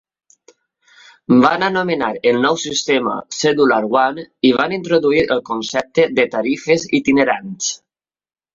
Van anomenar el nou sistema "Cellular One" i van introduir el concepte de tarifes itinerants.